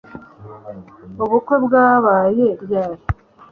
Ubukwe bwabaye ryari